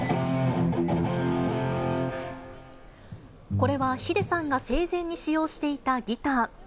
これはｈｉｄｅさんが生前に使用していたギター。